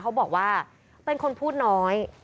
เขาบอกว่าเป็นคนพูดน้อย